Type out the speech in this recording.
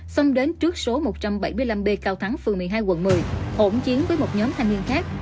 xông đến trước số một trăm bảy mươi năm b cao thắng phường một mươi hai quận một mươi hỗn chiến với một nhóm thanh niên khác